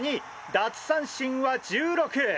奪三振は１６！